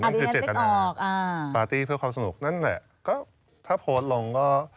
นั่นคือเจตนาปาร์ตี้เพื่อความสนุกนั่นแหละก็ถ้าโพสต์ลงก็